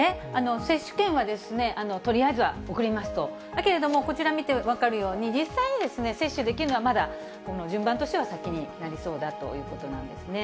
接種券はとりあえずは送りますと、だけれども、こちら見て分かるように、実際に接種できるのは、まだ、この順番としては先になりそうだということなんですね。